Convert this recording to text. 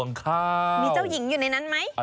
ข้างมีเจ้าหญิงอยู่ในนั้นไหม